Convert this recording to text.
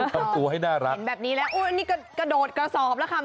ทำตัวให้น่ารักเห็นแบบนี้แล้วอุ้ยนี่กระโดดกระสอบแล้วค่ะ